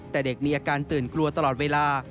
แต่เด็กมีอาการตื่นกลัวตลอดเวลา